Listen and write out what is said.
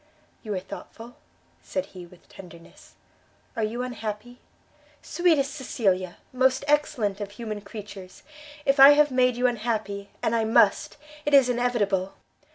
"You are thoughtful?" said he, with tenderness; "are you unhappy? sweetest Cecilia! most excellent of human creatures! if I have made you unhappy and I must! it is inevitable!